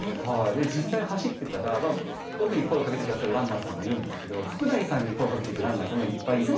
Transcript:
実際走ってたら僕に声をかけて下さるランナーさんもいるんですけど福成さんに声をかけていくランナーさんもいっぱいいて。